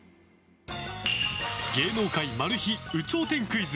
芸能界マル秘有頂天クイズ